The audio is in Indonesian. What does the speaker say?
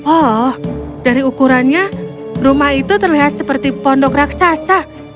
oh dari ukurannya rumah itu terlihat seperti pondok raksasa